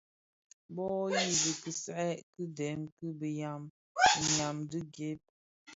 Bô yu dhi kisai ki dèn i biňyam ňyam dhi gëëk.